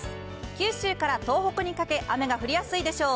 九州から東北にかけ、雨が降りやすいでしょう。